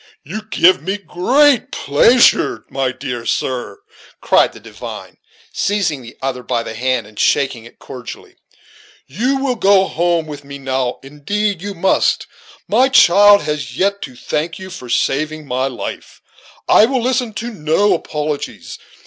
"You give me great pleasure, my dear sir," cried the divine, seizing the other by the hand, and shaking it cordially. "You will go home with me now indeed you must my child has yet to thank you for saving my life. I will listen to no apologies.